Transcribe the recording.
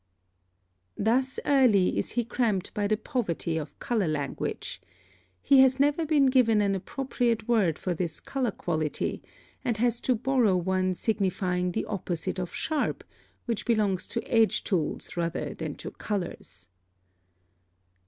(5) Thus early is he cramped by the poverty of color language. He has never been given an appropriate word for this color quality, and has to borrow one signifying the opposite of sharp, which belongs to edge tools rather than to colors.